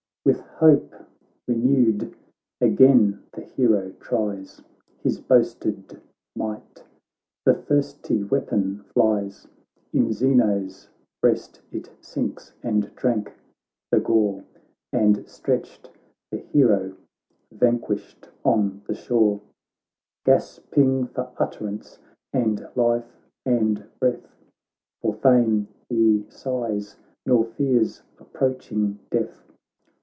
With hope renewed, again the hero tries His boasted might ; the thirsty ^weapon flies ; In Zeno's breast it sinks, and drank the gore, And stretched the hero vanquished on the shore ; Gaspingfor utterance, and life andbreath, For fame he sighs, nor fears approaching death.